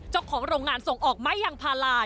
เจ้าของโรงงานส่งออกไม้ยางพารา